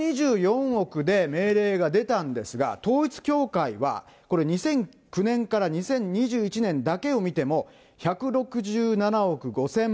１２４億で命令が出たんですが、統一教会は、これ２００９年から２０２１年だけを見ても、１６７億５０００万円。